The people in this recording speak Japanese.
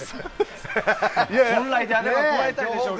本来であれば加えたいでしょうけども。